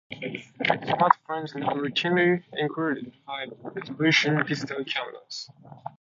Smartphones now routinely include high resolution digital cameras.